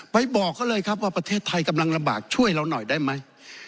บอกเขาเลยครับว่าประเทศไทยกำลังลำบากช่วยเราหน่อยได้ไหม